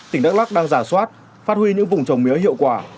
tỉnh đắk lắc đang giả soát phát huy những vùng trồng mía hiệu quả